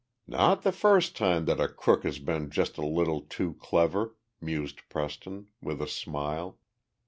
"Not the first time that a crook has been just a little too clever," mused Preston, with a smile.